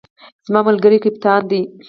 زما ملګری کپتان دی